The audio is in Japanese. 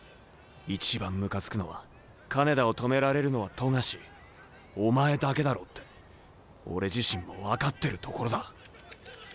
一番ムカつくのは金田を止められるのは冨樫お前だけだろうって俺自身も分かってるところだ。